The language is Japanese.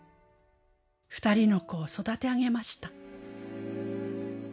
２人の子を育て上げました。